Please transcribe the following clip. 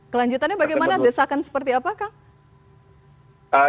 kelanjutannya bagaimana desakan seperti apakah